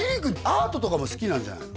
アートとかも好きなんじゃないの？